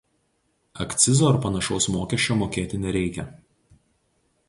Akcizo ar panašaus mokesčio mokėti nereikia.